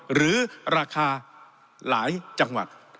หรือราคาหลายจังหวัด